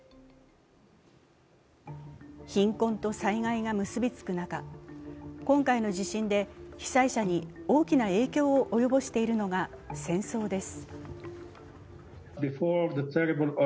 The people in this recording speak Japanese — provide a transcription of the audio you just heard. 貧困と災害が結びつく中、今回の地震で被災者に大きな影響を及ぼしているのが戦争です。